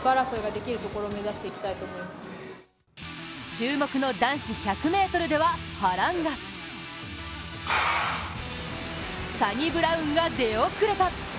注目の男子１００ｍでは、波乱がサニブラウンが出遅れた。